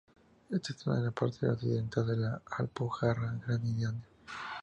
Está situada en la parte occidental de la Alpujarra Granadina.